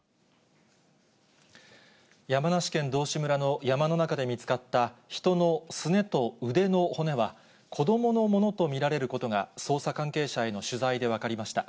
山梨県道志村の山の中で見つかった人のすねと腕の骨は、子どものものと見られることが、捜査関係者への取材で分かりました。